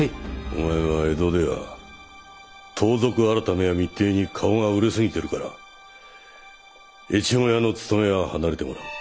お前は江戸では盗賊改や密偵に顔が売れ過ぎてるから越後屋のつとめは離れてもらう。